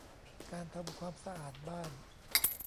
การทำความสะอาดบ้าน